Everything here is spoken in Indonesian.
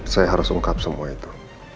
saya harus ungkap semua itu